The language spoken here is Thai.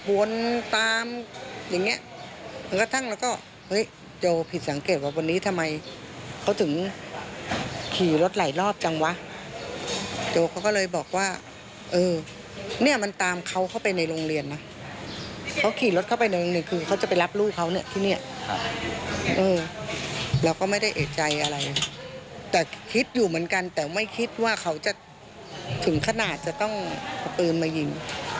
ว่าเขาจะถึงขนาดจะต้องเอาปืนมายิง